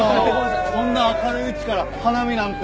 こんな明るいうちから花見なんて。